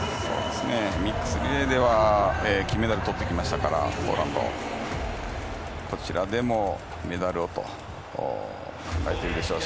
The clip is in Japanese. ミックスリレーでは金メダルをとってきましたからこちらでもメダルをと考えているでしょう。